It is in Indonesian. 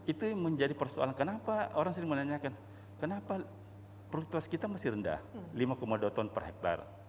itu menjadi persoalan kenapa orang sering menanyakan kenapa produktivitas kita masih rendah lima dua ton per hektare